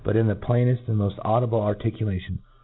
in the pl;^incft and moft audible articulation.